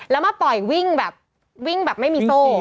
แล้วมาปล่อยวิ่งแบบวิ่งแบบไม่มีโซ่